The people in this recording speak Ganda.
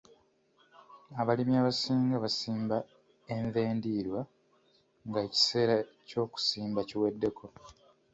Abalimi abasinga basimba envendiirwa nga ekiseera ky'okusimba kiweddeko.